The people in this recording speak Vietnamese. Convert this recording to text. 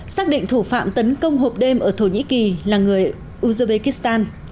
xác định thủ phạm tấn công hộp đêm ở thổ nhĩ kỳ là người uzbekistan